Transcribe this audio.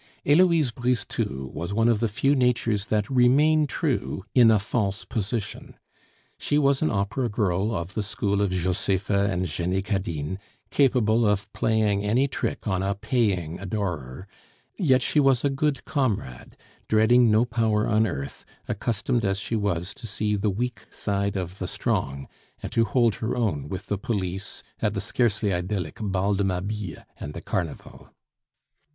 Heloise Brisetout was one of the few natures that remain true in a false position. She was an opera girl of the school of Josepha and Jenny Cadine, capable of playing any trick on a paying adorer; yet she was a good comrade, dreading no power on earth, accustomed as she was to see the weak side of the strong and to hold her own with the police at the scarcely idyllic Bal de Mabille and the carnival.